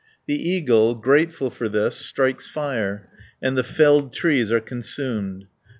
The eagle, grateful for this, strikes fire, and the felled trees are consumed (265 284).